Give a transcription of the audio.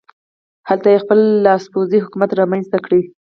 هلته یې خپل لاسپوڅی حکومت رامنځته کړ.